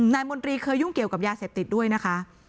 มนตรีเคยยุ่งเกี่ยวกับยาเสพติดด้วยนะคะ